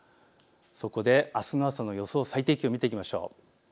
そこであすの朝の最低気温、見ていきましょう。